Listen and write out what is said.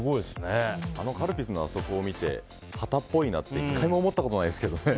カルピスのあそこを見て旗っぽいなって１回も思ったことないですけどね。